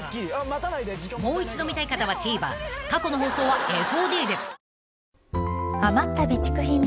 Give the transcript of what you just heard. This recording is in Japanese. ［もう一度見たい方はＴＶｅｒ過去の放送はＦＯＤで］